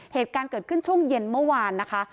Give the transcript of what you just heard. เหตุการณ์เกิดขึ้นช่วงเย็นเมื่อวานนะคะ